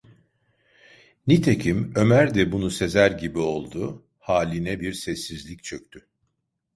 Nitekim Ömer de bunu sezer gibi oldu, haline bir sessizlik çöktü…